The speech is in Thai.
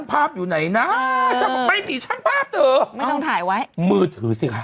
พาอยุ่ไหนนะไม่มีช่างภาพเนอะไม่ต้องถ่ายไว้เมื่อถือซิครับ